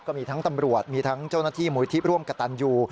ก็มีทั้งตำรวจมีทั้งเจ้าหน้าที่มูลที่ร่วมกับตันยู